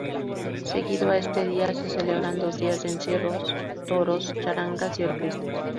Seguido a este día se celebran dos días de encierros, toros, charangas y orquestas.